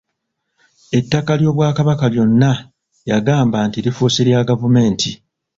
Ettaka ly'Obwakabaka lyonna yagamba nti lifuuse lya gavumenti.